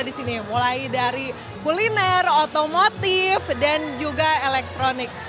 di sini mulai dari kuliner otomotif dan juga elektronik